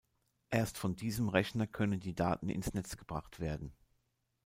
Erst von diesem Rechner können die Daten ins Netz gebracht werden.